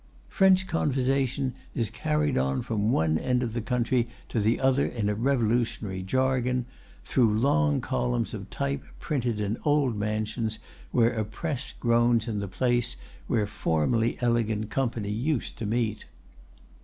French conversation is carried on from one end of the country to the other in a revolutionary jargon, through long columns of type printed in old mansions where a press groans in the place where formerly elegant company used to meet."